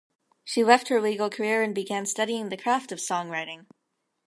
She left her legal career and began studying the craft of songwriting.